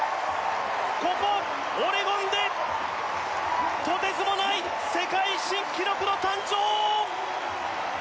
ここオレゴンでとてつもない世界新記録の誕生！